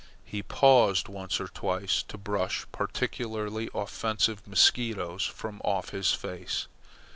He paused once or twice to brush particularly offensive mosquitoes from off his face.